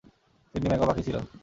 Sydney macaw পাখি ছিল।